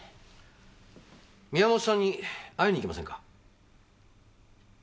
宮元さんに会いに行きませんか？